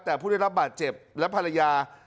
แต่ผู้ได้รับบาดเจ็บและภรรยา